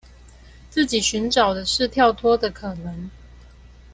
自己尋找的是跳脫的可能